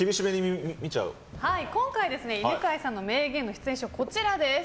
今回、犬飼さんの名言こちらです。